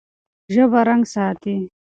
ژبه رنګ ساتي.